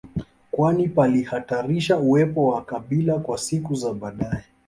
kwani palihatarisha uwepo wa kabila kwa siku za baadae